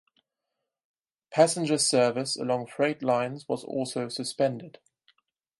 Passenger service along freight lines was also suspended.